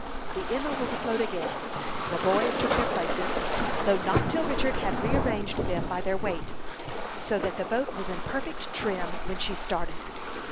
The Emma was afloat again; the boys took their places, though not till Richard had rearranged them by their weight, so that the boat was in perfect trim when she started.